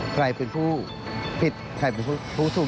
ใครเป็นผู้ผิดใครเป็นผู้สูง